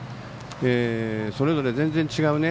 それぞれ全然違うね。